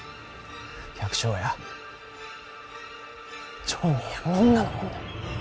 百姓や町人やみんなのもんだ。